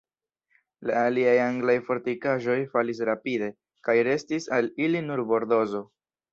La aliaj anglaj fortikaĵoj falis rapide, kaj restis al ili nur Bordozo.